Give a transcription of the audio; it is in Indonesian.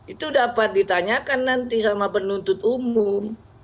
itu dapat ditanyakan nanti sama penuntut umum